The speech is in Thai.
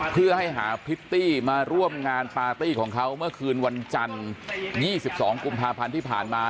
เพื่อให้หาพริตตี้มาร่วมงานปาร์ตี้ของเขาเมื่อคืนวันจันทร์๒๒กุมภาพันธ์ที่ผ่านมา